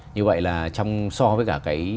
như vậy là so với cả